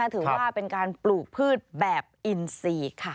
ถือว่าเป็นการปลูกพืชแบบอินซีค่ะ